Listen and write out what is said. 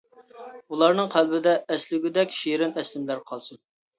ئۇلارنىڭ قەلبىدە ئەسلىگۈدەك شېرىن ئەسلىمىلەر قالسۇن!